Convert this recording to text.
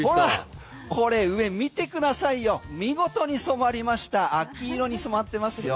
これ上見てくださいよ見事に染まりました秋色に染まってますよ。